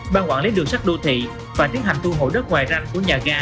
ban quản lý đường sắt đô thị phải thiết hành thu hội đất ngoài ranh của nhà ga